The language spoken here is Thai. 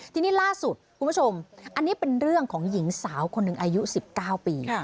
ทีนี้ล่าสุดคุณผู้ชมอันนี้เป็นเรื่องของหญิงสาวคนหนึ่งอายุ๑๙ปี